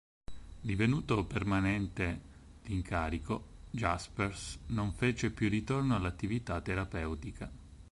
Divenuto permanente l'incarico, Jaspers non fece più ritorno all'attività terapeutica.